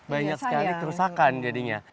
banyak sekali kerusakan jadinya